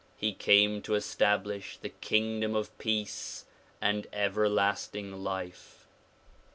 He came to establish the kingdom of peace and everlasting life.